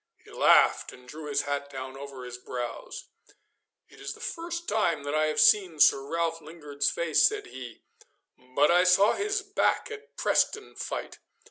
He laughed and drew his hat down over his brows. 'It is the first time that I have seen Sir Ralph Lingard's face,' said he, 'but I saw his back at Preston fight.